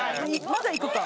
まだいくか。